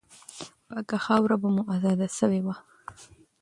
پاکه خاوره به مو آزاده سوې وه.